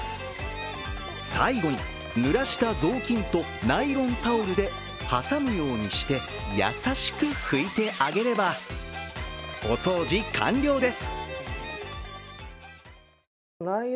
最後に、濡らした雑巾とナイロンタオルで挟むようにして優しく拭いてあげれば、お掃除完了です。